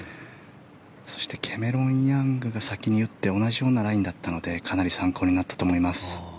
そして、キャメロン・ヤングが先に打って同じようなラインだったのでかなり参考になったと思います。